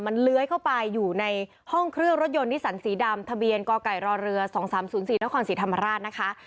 มันเลื้อยเข้าไปอยู่ในห้องเครื่องรถยนต์นิสันสีดำทะเบียนกไก่รอเรือ๒๓๐๔นครศรีธรรมราชนะคะ